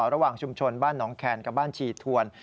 ระหว่างชุมชนบ้านหนองแคนกับบ้านชีทวน